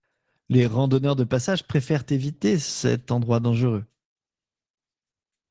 Les randonneurs de passage préfèrent éviter cet endroit dangereux.